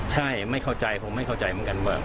ใช่ไม่เข้าใจคงไม่เข้าใจเหมือนกันว่า